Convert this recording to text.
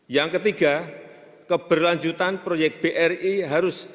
yang ketiga keberlanjutan proyek bri harus